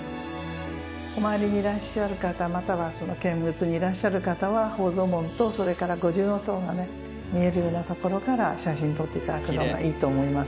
お参りにいらっしゃる方または見物にいらっしゃる方は宝蔵門とそれから五重塔がね見えるような所から写真撮って頂くのがいいと思いますね。